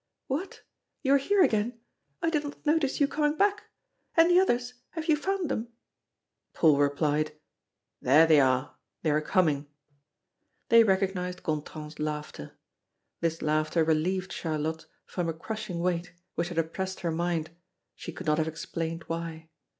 "What! you are here again! I did not notice you coming back. And the others, have you found them?" Paul replied: "There they are! They are coming." They recognized Gontran's laughter. This laughter relieved Charlotte from a crushing weight, which had oppressed her mind she could not have explained why.